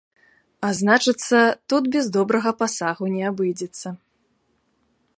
А значыцца, тут без добрага пасагу не абыдзецца.